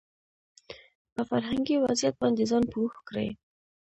په فرهنګي وضعيت باندې ځان پوه کړي